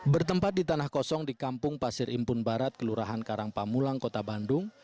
bertempat di tanah kosong di kampung pasir impun barat kelurahan karangpamulang kota bandung